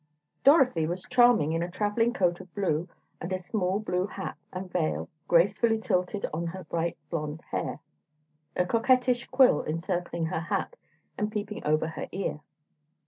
Dorothy was charming in a travelling coat of blue, and a small blue hat and veil gracefully tilted on her bright blond hair, a coquettish quill encircling her hat and peeping over her ear.